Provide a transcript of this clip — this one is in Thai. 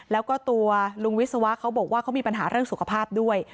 แล้วก็ตัวลุงวิศวะเขาบอกว่าเขามีปัญหาเรื่องสุขภาพด้วย